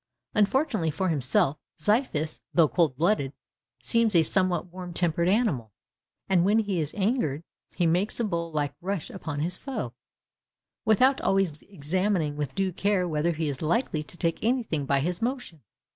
Unfortunately for himself, Xiphias, though cold blooded, seems a somewhat warm tempered animal; and, when he is angered, he makes a bull like rush upon his foe, without always examining with due care whether he is likely to take anything by his motion.